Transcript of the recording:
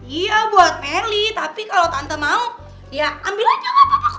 iya buat nelly tapi kalo tante mau ya ambil aja lah